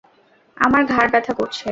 আমার ঘাড় ব্যথা করছে।